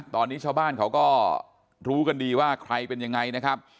ตอนนี้ชาวบ้านเขาก็รู้กันดีว่าใครเป็นยังไงนะครับ